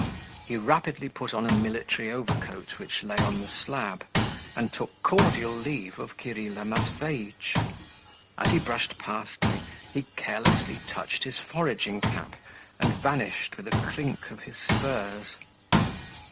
He rapidly put on a military overcoat which lay on the slab, and took cordial leave of Kirilla Matveitch. As he brushed past me, he carelessly touched his foraging cap, and vanished with a clink of his spurs.